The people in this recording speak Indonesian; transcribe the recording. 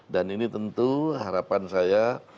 ini tentu harapan saya